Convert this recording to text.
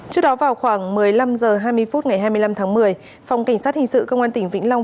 trước đó vào khoảng một mươi năm h hai mươi phút ngày hai mươi năm tháng một mươi phòng cảnh sát hình sự công an tỉnh vĩnh long